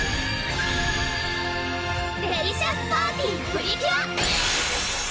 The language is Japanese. デリシャスパーティプリキュア！